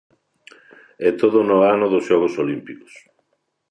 E todo no ano dos Xogos Olímpicos.